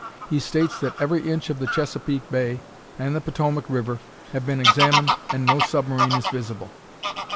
He states that every inch of the Chesapeake Bay and the Potomac River have been examined and no submarine is visible."